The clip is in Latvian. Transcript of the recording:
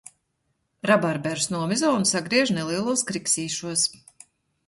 Rabarberus nomizo un sagriež nelielos kriksīšos.